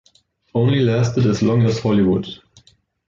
Only lasted as long as Holy Wood.